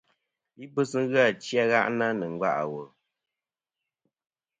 Libɨs ghɨ achi a gha'na nɨ̀ nga' ɨ wùl.